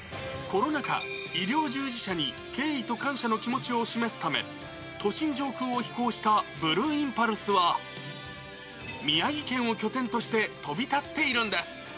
コロナ禍、医療従事者に敬意と感謝の気持ちを示すため、都心上空を飛行したブルーインパルスは、宮城県を拠点として飛び立っているんです。